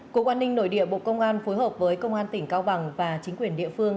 cục an ninh nội địa bộ công an phối hợp với công an tỉnh cao bằng và chính quyền địa phương